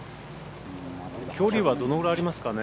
距離はどのぐらいありますかね。